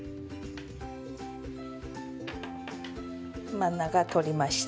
真ん中通りました。